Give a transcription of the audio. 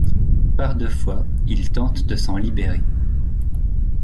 Par deux fois, il tente de s'en libérer.